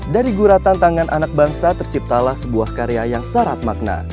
dari guratan tangan anak bangsa terciptalah sebuah karya yang syarat makna